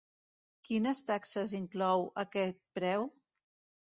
Quines taxes inclou aquest preu?